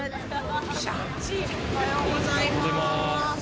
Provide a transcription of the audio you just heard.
おはようございます。